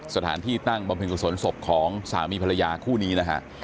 สถานที่ตั้งบำเพ็ญกุศลศพของสามีภรรยาคู่นี้นะฮะ